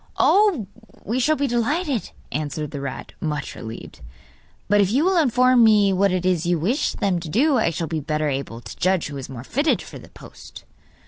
'Oh, we shall be delighted,' answered the rat, much relieved. 'But if you will inform me what it is you wish them to do I shall be better able to judge who is most fitted for the post.